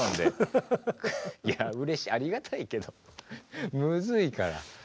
いやうれしいありがたいけどむずいから。